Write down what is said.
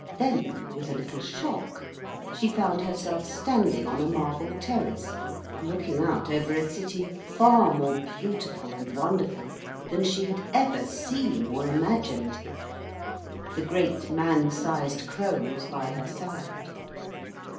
Then, with a little shock, she found herself standing on a marble terrace, looking out over a city far more beautiful and wonderful than she had ever seen or imagined. The great man sized Crow was by her side.